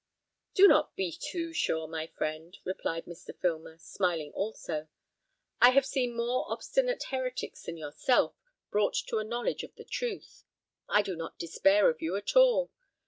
"Do not be too sure, my friend," replied Mr. Filmer, smiling also; "I have seen more obstinate heretics than yourself brought to a knowledge of the truth. I do not despair of you at all.